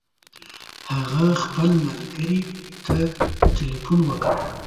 هغه خپل ملګري ته تلیفون وکړ.